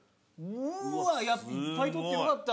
うわいっぱい採ってよかった。